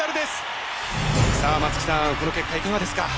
さあ松木さんこの結果いかがですか？